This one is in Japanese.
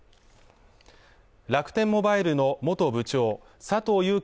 楽天モバイルの元部長佐藤友紀